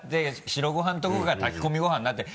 白ご飯のところが炊き込みご飯になって。